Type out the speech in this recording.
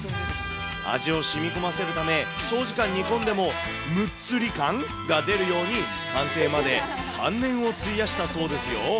味をしみこませるため、長時間煮込んでもむっつり感が出るように、完成まで３年を費やしたそうですよ。